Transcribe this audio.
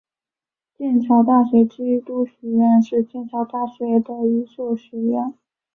剑桥大学基督学院是剑桥大学的一所学院。